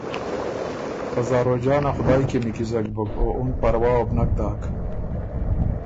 خه زاروجانه خدایٛ کی نیکیزک بُک او اُن پاروا وه بو نک داک۔